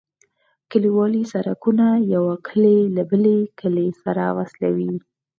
کليوالي سرکونه یو کلی له بل کلي سره وصلوي